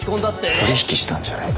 取り引きしたんじゃないか？